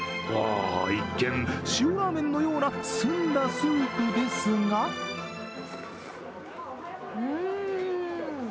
一見、塩ラーメンのような澄んだスープですがうーん。